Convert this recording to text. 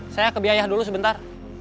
saya ke biaya dulu sebentar